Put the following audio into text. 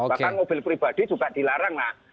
bahkan mobil pribadi juga dilarang lah